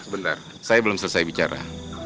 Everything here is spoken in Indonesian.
sebentar saya belum selesai bicara